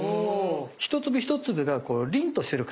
一粒一粒が凛としてる感じ。